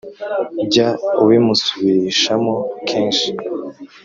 jya ubimusubirishamo kenshi